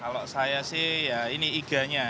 kalau saya sih ya ini iganya